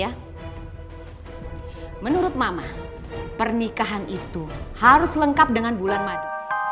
ya menurut mama pernikahan itu harus lengkap dengan bulan madu